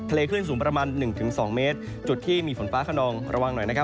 ทะเลขึ้นสูงประมาณหนึ่งถึงสองเมตรจุดที่มีฝนฟ้าขนองระวังหน่อยนะครับ